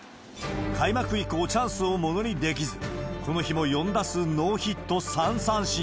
開幕以降、チャンスを物にできず、この日も４打数ノーヒット３三振。